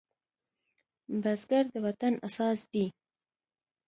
بزګر د وطن اساس دی